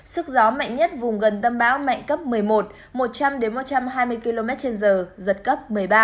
sức gió mạnh nhất vùng gần tâm bão mạnh cấp một mươi một một trăm linh một trăm hai mươi km trên giờ giật cấp một mươi ba